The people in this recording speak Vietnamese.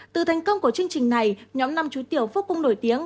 từ thành công của chương trình này nhóm năm chú tiểu vô cung nổi tiếng